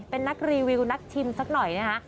เป็นนักรีวิวนักชิมสักหน่อยนะคะ